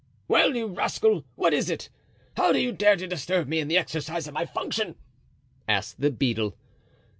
"Well, you rascal, what is it? How do you dare to disturb me in the exercise of my functions?" asked the beadle.